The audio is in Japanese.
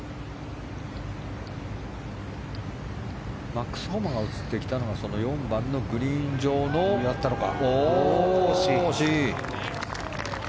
マックス・ホマが映ってきたのが４番のグリーン上の惜しい。